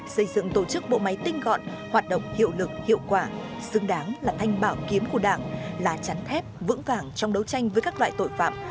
xây dựng tổ chức bộ máy tinh gọn hoạt động hiệu lực hiệu quả xứng đáng là thanh bảo kiếm của đảng là chắn thép vững vàng trong đấu tranh với các loại tội phạm